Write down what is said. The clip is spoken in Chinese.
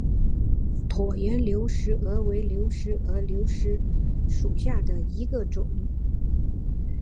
椭圆流石蛾为流石蛾科流石蛾属下的一个种。